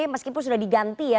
meskipun sudah diganti ya